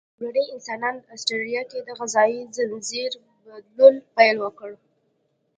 لومړني انسانان استرالیا کې د غذایي ځنځیر بدلولو پیل وکړ.